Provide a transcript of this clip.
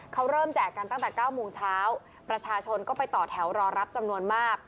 เขาเริ่มแจกกันตั้งแต่๙โมงเช้าประชาชนก็ไปต่อแถวรอรับจำนวนมาก